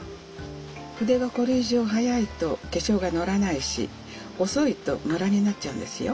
筆がこれ以上速いと化粧が乗らないし遅いとムラになっちゃうんですよ。